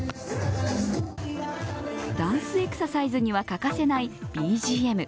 ダンスエクササイズには欠かせないＢＧＭ。